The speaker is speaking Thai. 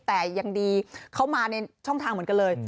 แต่ยังดีเขามาในช่องทางเหมือนกันเลย